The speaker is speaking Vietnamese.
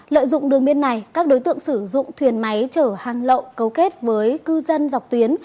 lợi dụng đường biên này các đối tượng sử dụng thuyền máy chở hàng lậu cấu kết với cư dân dọc tuyến